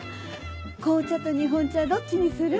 紅茶と日本茶どっちにする？